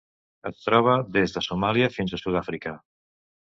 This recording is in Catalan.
Es troba des de Somàlia fins a Sud-àfrica.